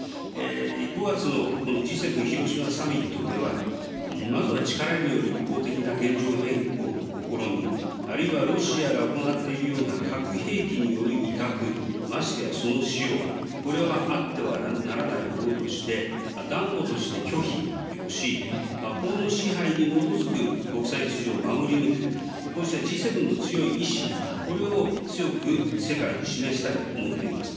５月のＧ７広島サミットではまずは、力による一方的な現状変更の試み、あるいはロシアが行っているような核兵器による威嚇、ましてやその使用、これはあってはならないものとして、断固として拒否をし、法の支配に基づく国際秩序を守り抜く、こうしたＧ７の強い意志、これを強く世界に示したいと思っています。